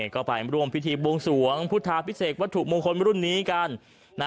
ก็ไปร่วมพิธีบวงสวงพุทธาพิเศษวัตถุมงคลรุ่นนี้กัน